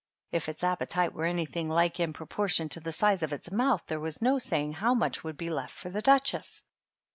K its appetite were anything like in proportion to the size of its mouth there was no saying how much would* be left for the Duchess.